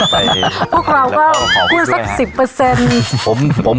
พวกเราก็ผู้ผู้เป็นน้ำสตรกร๑๐